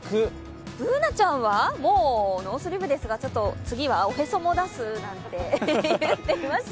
Ｂｏｏｎａちゃんはもうノースリーブですが、次はおへそも出すなんて言ってますよ。